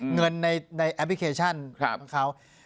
เงินในแอปพลิเคชันของเขา